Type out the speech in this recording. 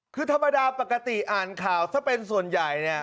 คือธรรมดาปกติอ่านข่าวซะเป็นส่วนใหญ่เนี่ย